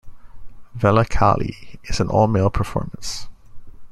Velakali is an all-male performance.